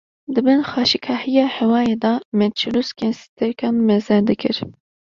di bin xweşikahiya hêwayê de me çirûskên stêrkan meze dikir